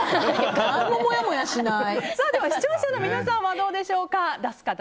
視聴者の皆さんはどうでしょうか。